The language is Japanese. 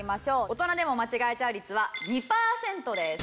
大人でも間違えちゃう率は２パーセントです。